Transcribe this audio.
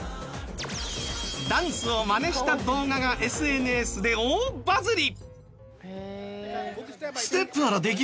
ダンスをマネした動画がＳＮＳで大バズリ。